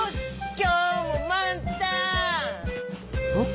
きょうもまんたん！